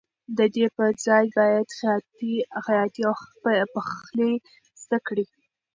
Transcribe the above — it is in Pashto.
د دې پر ځای باید خیاطي او پخلی زده کړې.